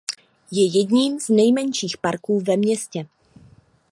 Je jedním z nejmenších parků ve městě.